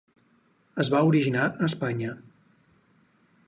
Es va originar a Espanya.